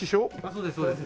そうですそうです。